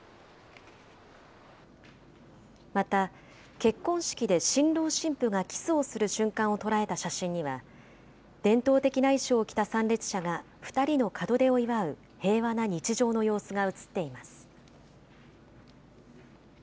また、結婚式で新郎新婦がキスをする瞬間を捉えた写真には、伝統的な衣装を着た参列者が２人の門出を祝う平和な日常の様子が写っています。